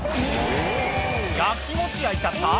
焼きもち焼いちゃった？